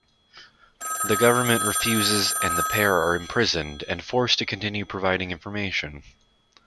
The government refuses, and the pair are imprisoned and forced to continue providing information.